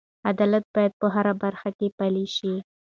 عدالت باید په هره برخه کې پلی شي.